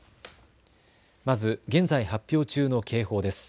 まず現在発表中の警報です。